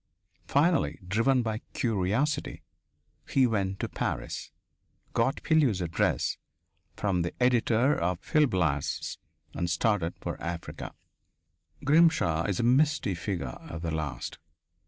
Finally, driven by curiosity, he went to Paris, got Pilleux's address from the editor of Gil Blas, and started for Africa. Grimshaw is a misty figure at the last.